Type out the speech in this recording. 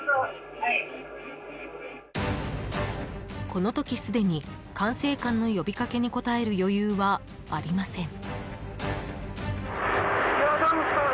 この時すでに管制官の呼びかけに応える余裕はありません。